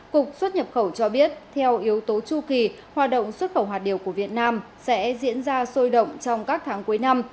cục xuất nhập khẩu cho biết theo yếu tố chu kỳ hoạt động xuất khẩu hạt điều của việt nam sẽ diễn ra sôi động trong các tháng cuối năm